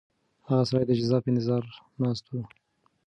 هغه سړی د جزا په انتظار ناست و.